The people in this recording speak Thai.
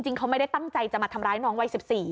เขาไม่ได้ตั้งใจจะมาทำร้ายน้องวัย๑๔